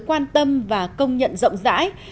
quan tâm và công nhận rộng rãi